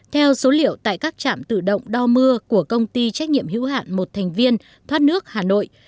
theo số liệu tại các trạm tự động đo mưa của công ty trách nhiệm hữu hạn một thành viên thoát nước hà nội